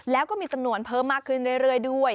แล้วก็มีจำนวนเพิ่มมากขึ้นเรื่อยด้วย